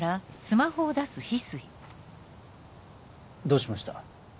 どうしました？